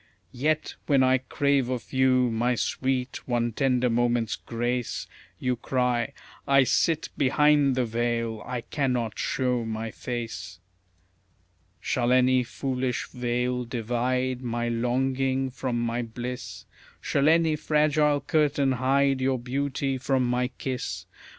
Yet, when I crave of you, my sweet, one tender moment's grace, You cry, "I SIT BEHIND THE VEIL, I CANNOT SHOW MY FACE." Shall any foolish veil divide my longing from my bliss? Shall any fragile curtain hide your beauty from my kiss?